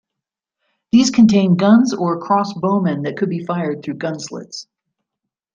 These contained guns or crossbowmen that could fire through gun-slits.